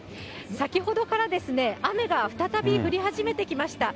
先ほどから、雨が再び、降り始めてきました。